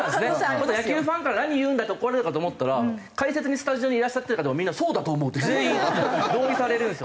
もっと野球ファンから「何言うんだ！」って怒られるかと思ったら解説にスタジオにいらっしゃってる方もみんな「そうだと思う」って全員同意されるんですよ。